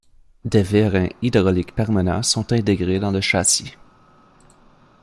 Des vérins hydrauliques permanents sont intégrés dans le châssis.